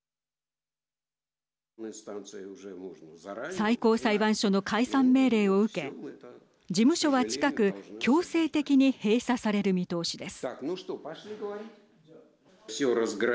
最高裁判所の解散命令を受け事務所は近く、強制的に閉鎖される見通しです。